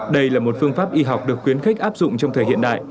đây là một phương pháp y học được khuyến khích áp dụng trong thời hiện đại